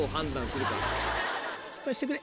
失敗してくれ！